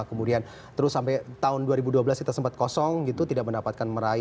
kemudian terus sampai tahun dua ribu dua belas kita sempat kosong gitu tidak mendapatkan meraih